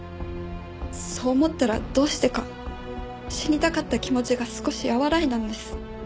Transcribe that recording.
そう思ったらどうしてか死にたかった気持ちが少し和らいだんです。